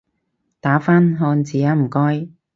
打返漢字吖唔該